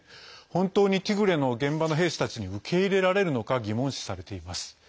本当にティグレの現場の兵士たちに受け入れられるのか疑問視されています。